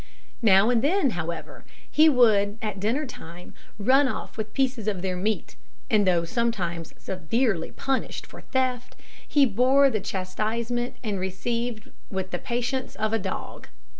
Now and then, however, he would at dinner time run off with pieces of their meat; and though sometimes severely punished for the theft, he bore the chastisement he received with the patience of a dog.